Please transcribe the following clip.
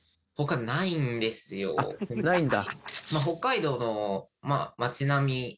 ないんだ。